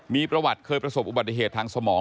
มีประวัติเคยประสบอุบัติเหตุทางสมอง